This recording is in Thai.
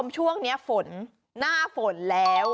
พี่พินโย